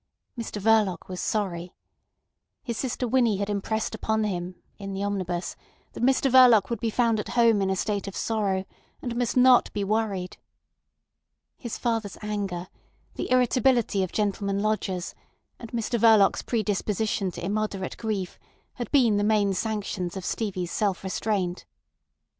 Mr Verloc was sorry. His sister Winnie had impressed upon him (in the omnibus) that Mr Verloc would be found at home in a state of sorrow, and must not be worried. His father's anger, the irritability of gentlemen lodgers, and Mr Verloc's predisposition to immoderate grief, had been the main sanctions of Stevie's self restraint.